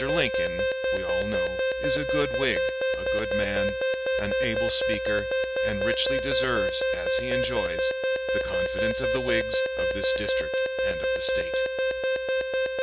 Lincoln, we all know, is a good Whig, a good man, an able speaker, and richly deserves, as he enjoys, the confidence of the Whigs of this district and of the State."